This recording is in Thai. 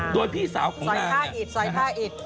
โดยพี่สาวของนางเนี่ยสอยผ้าอิจ